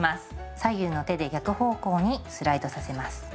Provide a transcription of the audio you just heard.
左右の手で逆方向にスライドさせます。